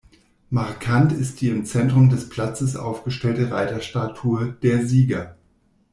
Markant ist die im Zentrum des Platzes aufgestellte Reiterstatue "Der Sieger".